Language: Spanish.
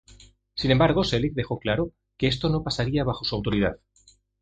Sin embargo, Selig dejó claro que esto no pasaría bajo su autoridad.